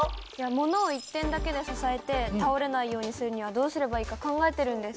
ものを１点だけで支えて倒れないようにするにはどうすればいいか考えてるんです。